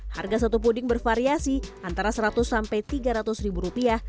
harga satu puding bervariasi antara rp seratus sampai rp tiga ratus ribu rupiah